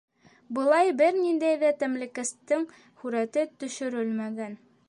Былай бер ниндәй ҙә тәмлекәстең һүрәте төшөрөлмәгән...